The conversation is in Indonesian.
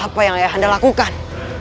apa yang ayah anda lakukan